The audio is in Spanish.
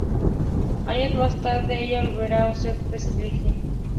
Años más tarde ella volvería a ser perseguida.